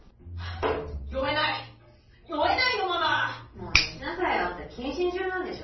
もうよしなさいよあんた謹慎中なんでしょ？